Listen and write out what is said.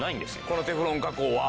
このテフロン加工は？